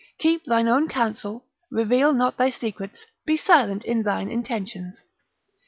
Keep thine own counsel, reveal not thy secrets, be silent in thine intentions.